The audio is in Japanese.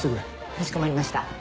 かしこまりました。